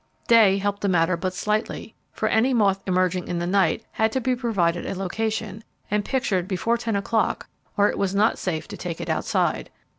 Day helped the matter but slightly, for any moth emerging in the night had to be provided a location, and pictured before ten o'clock or it was not safe to take it outside.